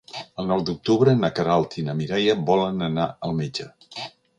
El nou d'octubre na Queralt i na Mireia volen anar al metge.